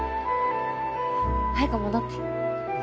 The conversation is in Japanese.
早く戻って。